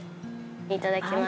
いただきます。